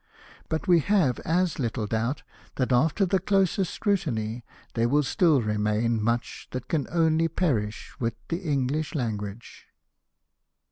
But we have as little doubt that after the closest scrutiny there will still remain much that can only perish with the English language."